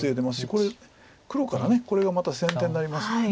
これ黒からこれがまた先手になりますから。